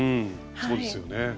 そうですよね。